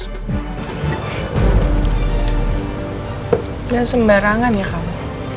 udah sembarangan ya kamu